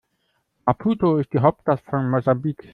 Maputo ist die Hauptstadt von Mosambik.